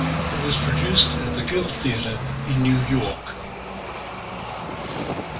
It was produced at the Guild Theatre in New York.